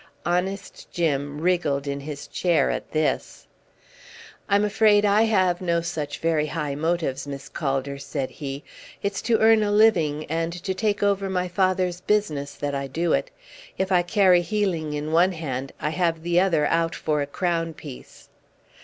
Honest Jim wriggled in his chair at this. "I'm afraid I have no such very high motives, Miss Calder," said he. "It's to earn a living, and to take over my father's business, that I do it. If I carry healing in one hand, I have the other out for a crown piece."